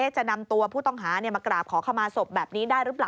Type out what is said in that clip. จะนำตัวผู้ต้องหามากราบขอขมาศพแบบนี้ได้หรือเปล่า